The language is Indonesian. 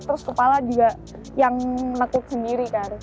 terus kepala juga yang menekuk sendiri kan